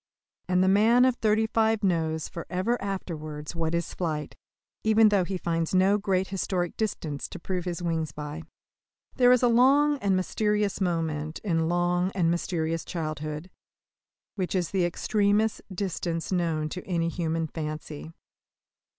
And the man of thirty five knows for ever afterwards what is flight, even though he finds no great historic distances to prove his wings by. There is a long and mysterious moment in long and mysterious childhood, which is the extremest distance known to any human fancy.